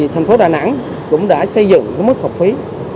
thành phố đà nẵng cũng đã xây dựng mức học phí